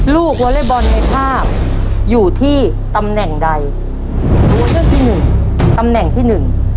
วอเล็กบอลในภาพอยู่ที่ตำแหน่งใดตัวเลือกที่หนึ่งตำแหน่งที่หนึ่ง